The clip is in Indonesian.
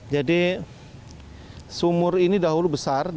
jadi sumur ini dahulu besar di sini